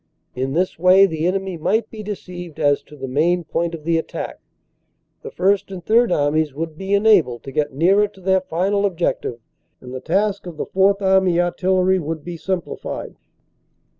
In this way the enemy might be deceived as to the main point of the attack, the First and Third Armies would be enabled to get nearer to their final objective, and the task of the Fourth Army artillery would be simplified.